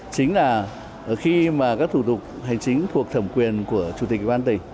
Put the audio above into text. chính là khi mà các thủ tục hành chính thuộc thẩm quyền của chủ tịch ủy ban tỉnh